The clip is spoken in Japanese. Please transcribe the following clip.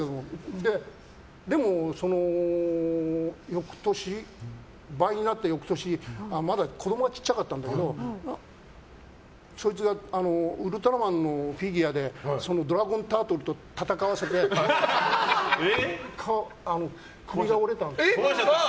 でも、その倍になった翌年まだ子供が小さかったんだけどそいつが、ウルトラマンのフィギュアでドラゴンタートルと戦わせて首が折れた。